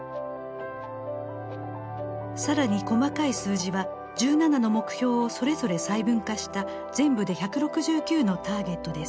更に細かい数字は１７の目標をそれぞれ細分化した全部で１６９のターゲットです。